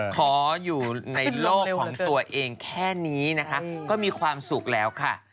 ขออยู่ในโลกของตัวเองแค่นี้นะคะก็มีความสุขแล้วค่ะ